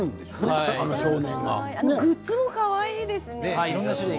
グッズもかわいいですよね。